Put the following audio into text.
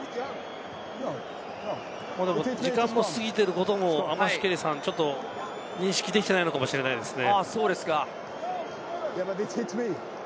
でも時間も過ぎていることも、アマシュケリさん、認識できていないのかもしれませんね。